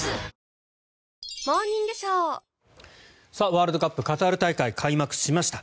ワールドカップカタール大会、開幕しました。